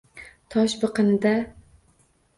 Tosh biqinida